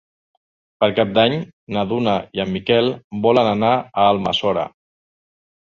Per Cap d'Any na Duna i en Miquel volen anar a Almassora.